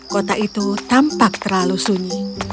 kota itu tampak terlalu sunyi